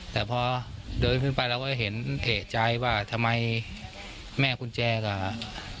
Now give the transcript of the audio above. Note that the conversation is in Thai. แต่พอเดินขึ้นไปเราก็เห็นเอกใจว่าทำไมแม่กุญแจก็อ่ะ